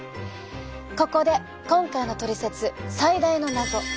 ここで今回のトリセツ最大の謎。